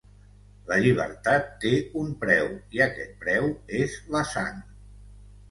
La llibertat té un preu, i aquest preu és la sang.